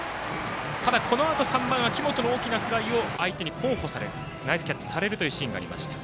ただ、このあと３番、秋元の大きな打球を相手に好捕されナイスキャッチされるシーンがありました。